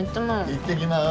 いってきます。